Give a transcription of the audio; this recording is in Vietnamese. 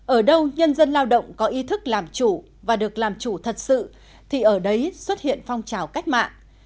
ở đâu nhân dân lao động có ý thức làm chủ và được làm chủ thật sự thì ở đấy xuất hiện phong trào cách mạng